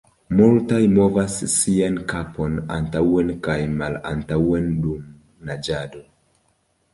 Multaj movas sian kapon antaŭen kaj malantaŭen dum naĝado.